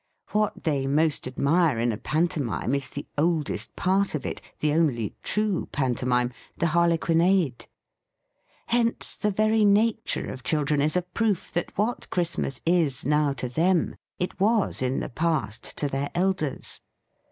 What they most admire in a pantomime is the oldest part of it, the only true pan tomime — the harlequinade! Hence the very nature of children is a proof that what Christmas is now to them, it was THE FEAST OF ST FRIEND in the past to their elders.